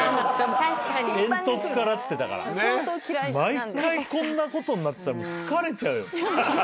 毎回こんなことになってたら疲れちゃうよ。